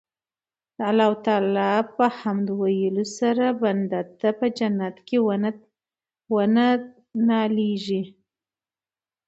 د الله تعالی په حمد ويلو سره بنده ته په جنت کي وَنه ناليږي